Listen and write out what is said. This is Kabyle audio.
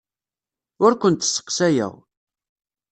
Ur kent-sseqsayeɣ.